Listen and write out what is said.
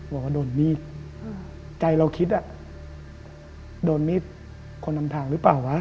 บอกว่าโดนมีดใจเราคิดอ่ะโดนมีดคนนำทางหรือเปล่าวะ